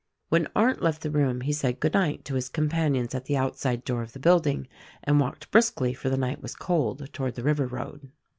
When Arndt left the room he said good night to his companions at the outside door of the building and walked briskly — for the night was cold — toward the river road.